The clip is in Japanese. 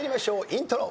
イントロ。